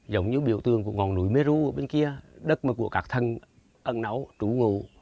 giống như biểu tượng của ngọn núi mê rú ở bên kia đất mà của các thần ẩn nấu trụ ngụ